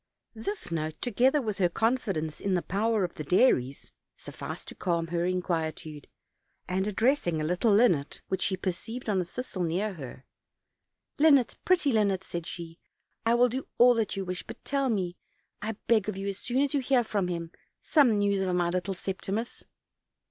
This note, together with her confidence in the power of the Dairies, sufficed to calm her inquietude, and, ad dressing a little linnet which she perceived on a thistle near her: "Linnet, pretty linnet," said she, "I will do all that you wish, but tell me, 1 beg of you, as soon as you hear of him, some news of my little Septimus."